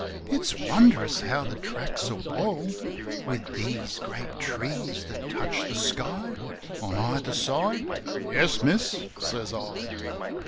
"It's wondrous how the tracks are walled With these great trees that touch the sky On either side." "Yes, miss," says I.